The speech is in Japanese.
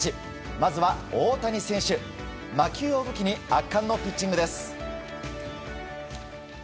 まずは大谷選手、魔球を武器に圧巻のピッチングです。